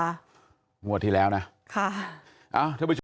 งวดทีแล้วนะค่ะเอ้าถ้าบุญชาตินี่มันก็ออกแค่ว่าอย่างนี้